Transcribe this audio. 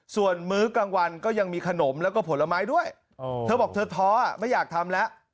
ส่วนมื้อกลางวันก็ยังมีขนมแล้วก็ผลไม้ด้วยเธอบอกเธอท้อไม่อยากทำแล้ว